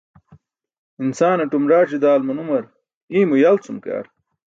Insaanatum raac̣i daal manumr, iymo yal cum ke ar.